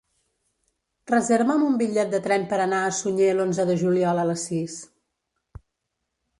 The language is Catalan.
Reserva'm un bitllet de tren per anar a Sunyer l'onze de juliol a les sis.